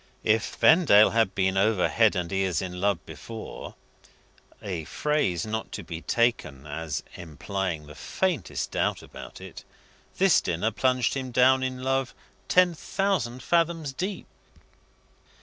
If Vendale had been over head and ears in love before a phrase not to be taken as implying the faintest doubt about it this dinner plunged him down in love ten thousand fathoms deep.